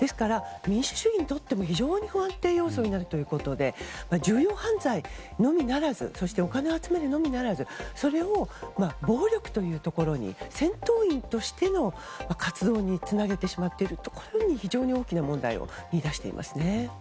ですから、民主主義にとっても非常に不安定要素になるということで重要犯罪のみならずそしてお金を集めるのみならずそれを暴力というところに戦闘員としての活動につなげてしまっているところに非常に大きな問題を見いだしていますね。